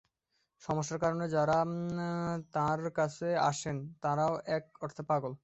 সমস্যার কারণে যাঁরা তাঁর কাছে আসেন তাঁরাও এক অর্থে পাগল।